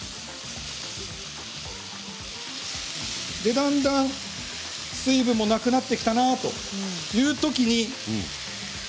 だんだん水分もなくなってきたなというときに。